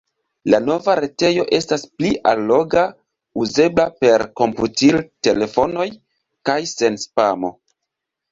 La nova retejo estas pli alloga, uzebla per komputiltelefonoj kaj sen spamo!